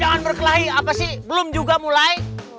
jangan berkelahi apa sih belum juga mulai